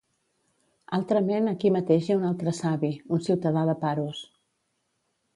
Altrament aquí mateix hi ha un altre savi, un ciutadà de Paros